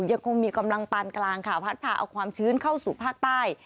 ยังคงมีกำลังปานกลางค่ะพัดพาเอาความชื้นเข้าสู่ภาคใต้